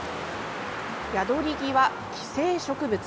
ヤドリギは寄生植物。